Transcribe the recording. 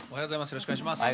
よろしくお願いします。